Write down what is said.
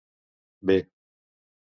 B